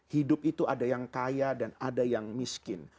hidup itu ada yang kaya dan ada yang miskin